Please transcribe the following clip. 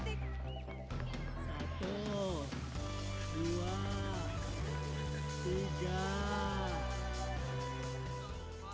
satu dua tiga